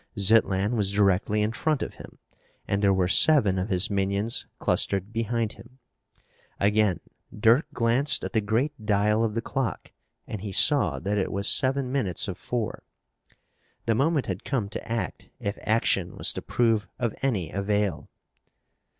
Zitlan was directly in front of him, and there were seven of his minions clustered behind him. Again Dirk glanced at the great dial of the clock, and he saw that it was seven minutes of four. The moment had come to act if action was to prove of any avail.